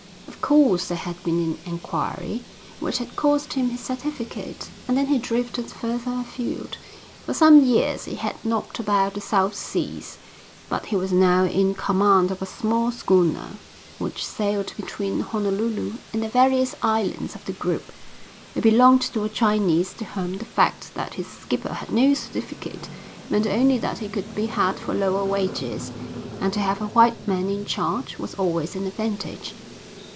Of course there had been an enquiry, which had cost him his certificate, and then he drifted further afield. For some years he had knocked about the South Seas, but he was now in command of a small schooner which sailed between Honolulu and the various islands of the group. It belonged to a Chinese to whom the fact that his skipper had no certificate meant only that he could be had for lower wages, and to have a white man in charge was always an advantage.